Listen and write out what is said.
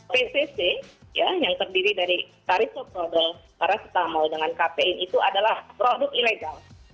pcc yang terdiri dari tarifoprodel parastamol dengan kpn itu adalah produk ilegal